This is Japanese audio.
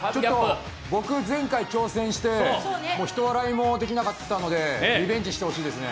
僕、前回挑戦してひと笑いもできなかったのでリベンジしてほしいですね。